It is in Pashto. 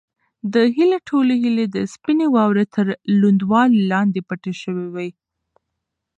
د هیلې ټولې هیلې د سپینې واورې تر لوندوالي لاندې پټې شوې وې.